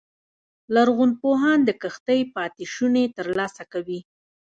لرغونپوهان د کښتۍ پاتې شونې ترلاسه کوي